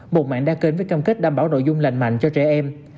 một mạng đa kênh với cam kết đảm bảo nội dung lành mạnh cho trẻ em